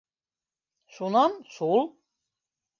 Шунан - шул.